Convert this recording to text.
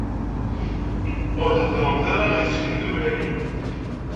Ur heddṛemt ara i Si Ḥmed Waɛli.